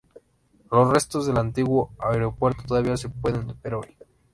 Los restos del antiguo aeropuerto todavía se pueden ver hoy.